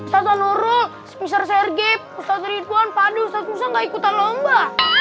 seluruh mister sergei ustadz ridwan padu saya nggak ikutan lomba